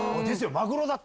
マグロだって！